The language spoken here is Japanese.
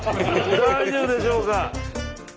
大丈夫でしょうか？